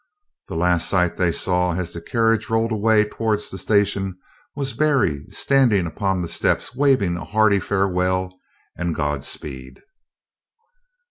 The last sight they saw as the carriage rolled away towards the station was Berry standing upon the steps waving a hearty farewell and god speed.